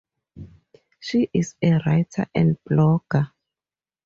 She is a writer and blogger.